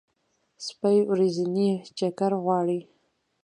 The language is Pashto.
سپي ورځنی چکر غواړي.